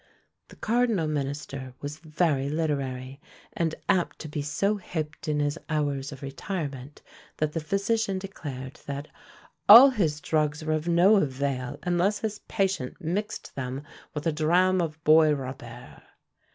The cardinal minister was very literary, and apt to be so hipped in his hours of retirement, that the physician declared, that "all his drugs were of no avail, unless his patient mixed with them a drachm of Boisrobert."